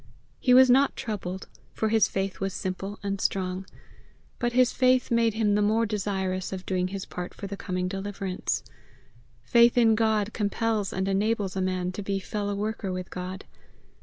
He was not troubled, for his faith was simple and strong; but his faith made him the more desirous of doing his part for the coming deliverance: faith in God compels and enables a man to be fellow worker with God.